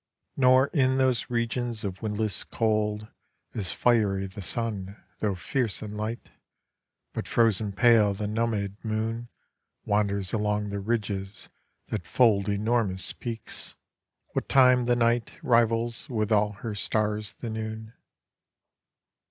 Nor in those regions of windless cold Is fiery the Sun, tho' fierce in light; But frozen pale the numbèd Moon Wanders along the ridges that fold Enormous Peaks, what time the Night Rivals with all her stars the Noon.